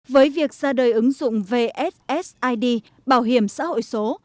với việc ra đời ứng dụng vssid bảo hiểm xã hội số